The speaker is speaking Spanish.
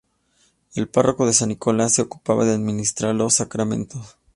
El párroco de San Nicolás se ocupaba de administrar los sacramentos.